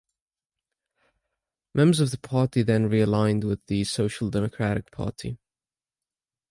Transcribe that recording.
Members of the party then realigned with the Social Democratic Party.